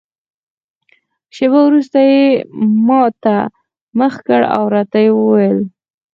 شېبه وروسته یې ما ته مخ کړ او راته ویې ویل.